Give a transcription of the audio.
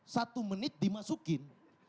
satu menit dimasukin